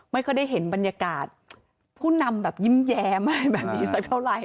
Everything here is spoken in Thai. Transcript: ไม่ค่อยได้เห็นบรรยากาศผู้นำแบบยิ้มแย้มแบบนี้สักเท่าไหร่